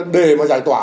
để mà giải tỏa